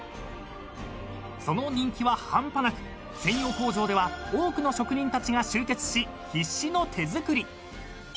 ［その人気は半端なく専用工場では多くの職人たちが集結し必死の手作り］